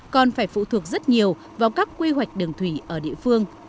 còn phải phụ thuộc rất nhiều vào các quy hoạch đường thủy ở địa phương